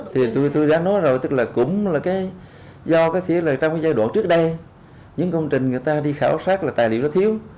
thì tôi đã nói rồi tức là cũng là cái do có thể là trong cái giai đoạn trước đây những công trình người ta đi khảo sát là tài liệu nó thiếu